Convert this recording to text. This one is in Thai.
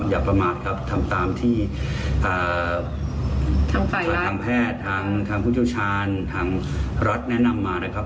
ทางแพทย์ทางผู้เจ้าชาญทางรัฐแนะนำมานะครับ